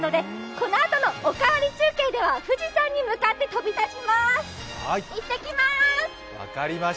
このあとの「おかわり中継」では富士山に向かって飛び出します。